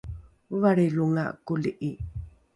ovalrilonga koli’i